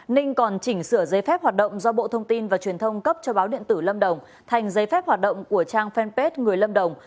ninh còn chỉnh sửa giấy phép hoạt động do bộ thông tin và truyền thông cấp cho báo điện tử lâm đồng thành giấy phép hoạt động của trang fanpage người lâm đồng